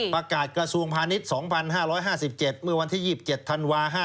กระทรวงพาณิชย์๒๕๕๗เมื่อวันที่๒๗ธันวา๕๗